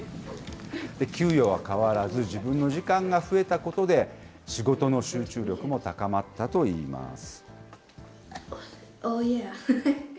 給与は変わらず、自分の時間が増えたことで、仕事の集中力も高まったといいます。